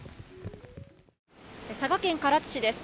佐賀県唐津市です。